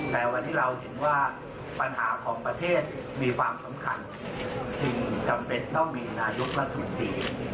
แต่วันนี้เราเห็นว่าปัญหาของประเทศมีความสำคัญจึงจำเป็นต้องมีนายกรัฐมนตรี